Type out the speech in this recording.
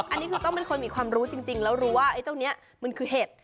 อันนี้คือต้องเป็นคนมีความรู้จริงแล้วรู้ว่าไอ้เจ้านี้มันคือเห็ด